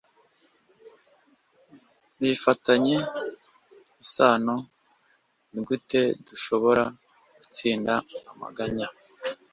Bifitanye isano: Nigute dushobora gutsinda amaganya